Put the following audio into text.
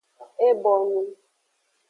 E bonu.